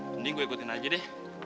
mending gue ikutin aja deh